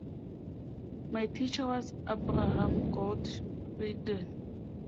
My teacher was Abraham Goldfaden.